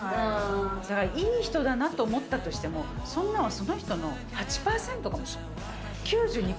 だからいい人だなと思ったとしても、そんなのその人の８％かもしれない。